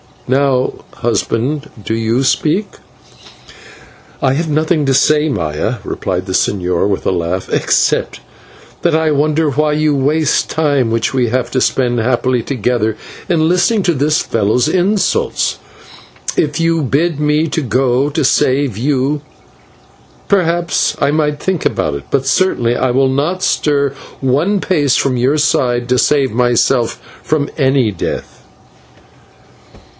Now, husband, do you speak?" "I have nothing to say, Maya," replied the señor with a little laugh, "except that I wonder why you waste time, which we might spend happily together, in listening to this fellow's insults. If you bid me to go to save you, perhaps I might think about it; but certainly I will not stir one pace from your side to save myself from any death."